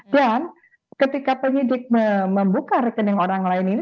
dan ketika pendidik membuka rekening orang lain ini